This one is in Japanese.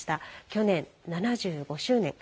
去年７５周年。